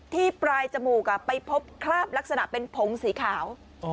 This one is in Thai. ปลายจมูกไปพบคราบลักษณะเป็นผงสีขาว